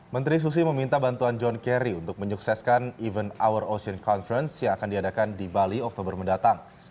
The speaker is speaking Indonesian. menteri susi meminta bantuan john kerry untuk menyukseskan event hour ocean conference yang akan diadakan di bali oktober mendatang